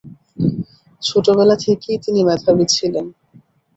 ছোটবেলা থেকেই তিনি মেধাবী ছিলেন।